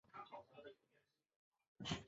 富勒姆大道站是伦敦地铁的一个车站。